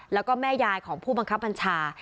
แล้วก็แม่ยายของผู้บังคับบัญชา